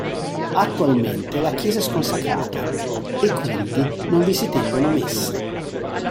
Attualmente la chiesa è sconsacrata e quindi non vi si tengono messe.